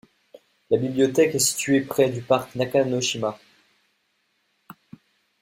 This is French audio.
La bibliothèque est située près du Parc Nakanoshima.